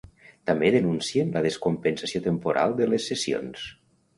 També denuncien la descompensació temporal de les sessions.